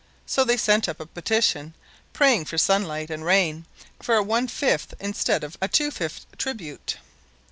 So they sent up a petition praying for sunlight and rain for a one fifth instead of a two fifths tribute.